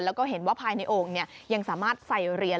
แล้วก็เห็นว่าภายในโอ่งยังสามารถใส่เหรียญ